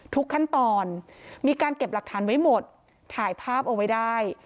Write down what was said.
ทุกขั้นตอนมีการเก็บหลักฐานไว้หมดถ่ายภาพเอาไว้ได้